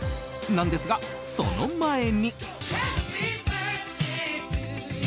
なんですが、その前に！